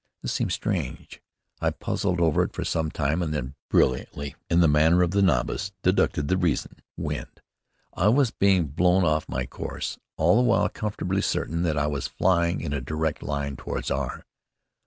This seemed strange. I puzzled over it for some time, and then, brilliantly, in the manner of the novice, deduced the reason: wind. I was being blown off my course, all the while comfortably certain that I was flying in a direct line toward R